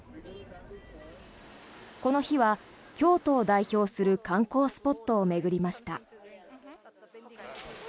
この日は京都を代表する観光スポットを巡りました。